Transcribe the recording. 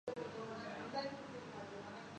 میں نے یہ کام عادت سے مجبور ہوکرکی